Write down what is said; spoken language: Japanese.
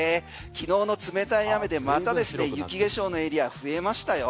昨日の冷たい雨でまた雪化粧のエリア、増えましたよ。